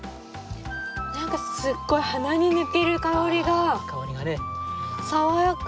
なんかすっごい鼻に抜ける香りが爽やか。